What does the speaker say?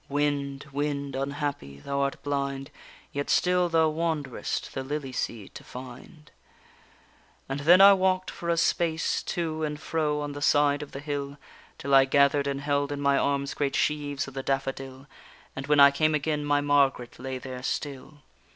Wind, wind, unhappy! thou art blind, Yet still thou wanderest the lily seed to find._ And then I walk'd for a space to and fro on the side of the hill, Till I gather'd and held in my arms great sheaves of the daffodil, And when I came again my Margaret lay there still.